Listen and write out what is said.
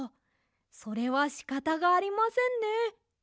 それはしかたがありませんね。